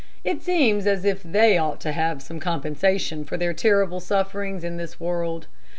It seems as if they ought to have some compensation for their terrible sufferings in this world.